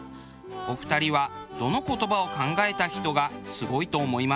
お二人はどの言葉を考えた人がすごいと思いますか？